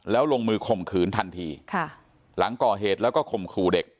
แล้วลงมือข่มขืนทันทีค่ะหลังก่อเหตุแล้วก็ข่มขู่เด็ก